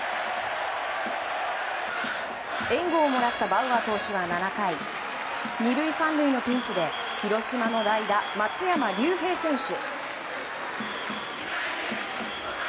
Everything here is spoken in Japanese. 援護をもらったバウアー投手は７回２塁３塁のピンチで広島の代打松山竜平選手。